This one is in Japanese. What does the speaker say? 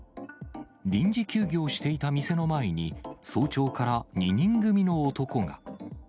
臨時休業していた店の前に、早朝から２人組の男が。